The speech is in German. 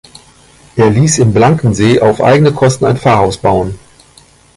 Er ließ in Blankensee auf eigene Kosten ein Pfarrhaus bauen.